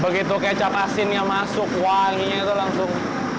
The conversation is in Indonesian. begitu kecap asinnya masuk wanginya itu langsung